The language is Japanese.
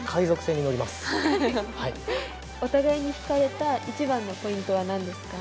お互いに惹かれた一番のポイントはなんですか？